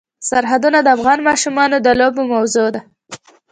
سرحدونه د افغان ماشومانو د لوبو موضوع ده.